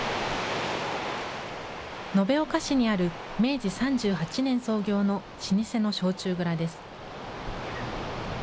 延岡市にある明治３８年創業の老舗の焼酎蔵です。